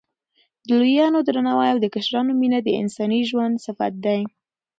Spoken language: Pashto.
د لویانو درناوی او د کشرانو مینه د انساني ژوند صفت دی.